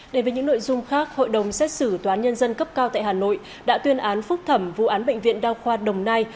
để về những nội dung khác hội đồng xét xử toán nhân dân cấp cao tại hà nội đã tuyên án phúc thẩm vụ án bệnh viện đao khoa đồng nai